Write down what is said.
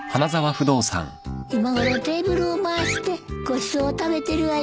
今頃テーブルを回してごちそうを食べてるわよ。